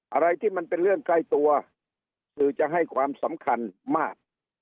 อะไรที่มันเป็นเรื่องใกล้ตัวสื่อจะให้ความสำคัญมาก